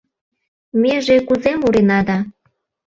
Меже кузе мурена да